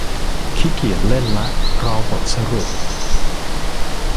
ขี้เกียจเล่นละ รอบทสรุป